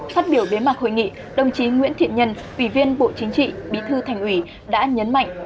phát biểu bế mạc hội nghị đồng chí nguyễn thiện nhân ủy viên bộ chính trị bí thư thành ủy đã nhấn mạnh